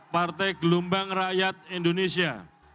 partai gelombang rakyat indonesia